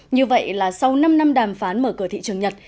như vậy là sau năm năm đàm phán mở cửa thị trường nhật